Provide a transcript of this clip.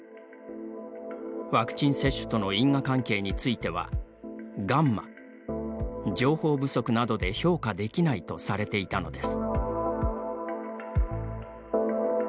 ワクチン接種との因果関係については「ガンマ＝情報不足などで評価できない」とされていたのです。